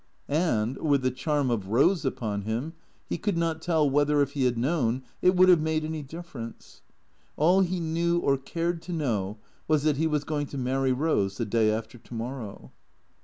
And, with the charm of Eose upon him, he could not tell whether, if he had known, it would have made any difference. All he knew or cared to know was that he was going to marry Eose the day after to morrow.